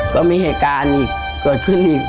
ก็มีเหตุการณ์อีกเกิดขึ้นอีก